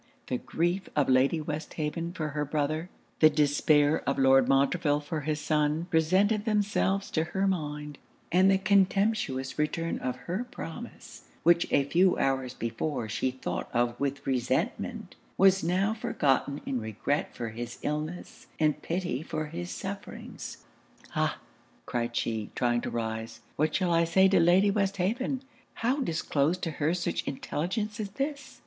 The grief of Lady Westhaven for her brother, the despair of Lord Montreville for his son, presented themselves to her mind; and the contemptuous return of her promise, which a few hours before she thought of with resentment, was now forgotten in regret for his illness and pity for his sufferings. 'Ah!' cried she, trying to rise, 'what shall I say to Lady Westhaven? How disclose to her such intelligence as this?'